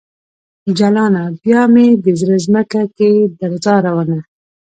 جلانه ! بیا مې د زړه ځمکه کې درزا روانه